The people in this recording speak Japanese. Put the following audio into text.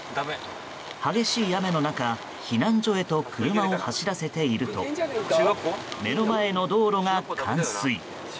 激しい雨の中避難所へと車を走らせていると目の前の道路が冠水。